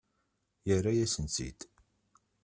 Yerra-yasen-tt-id.